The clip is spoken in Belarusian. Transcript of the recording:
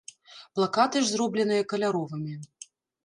Плакаты ж зробленыя каляровымі.